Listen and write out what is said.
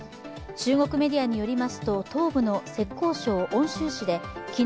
中国メディアによりますと東部の浙江省温州